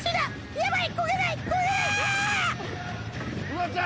やばい！